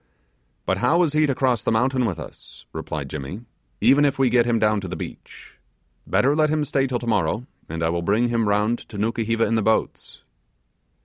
'But how is he to cross the mountain with us,' replied Jimmy, 'even if we get him down to the beach? Better let him stay till tomorrow, and I will bring him round to Nukuheva in the boats.